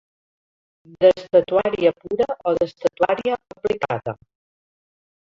D'estatuària pura o d'estatuària aplicada?